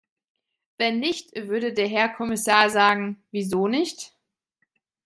Wenn nicht, würde der Herr Kommissar sagen, wieso nicht?